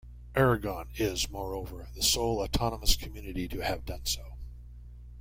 Aragon is, moreover, the sole Autonomous Community to have done so.